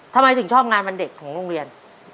ทำไมถึงชอบงานวันเด็กของโรงเรียน